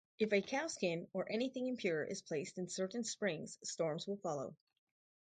If a cowskin or anything impure is placed in certain springs, storms will follow.